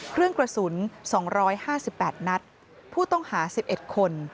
เครื่องกระสุน๒๕๘นัดผู้ต้องหา๑๑คน